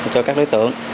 cho các đối tượng